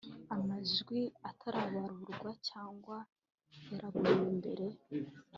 amajwi atarabarurwa cyangwa yabaruwe mbere